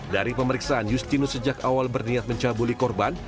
dari pemeriksaan justinus sejak awal berniat mencabuli korban